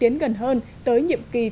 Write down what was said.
tiến gần hơn tới nhiệm kỳ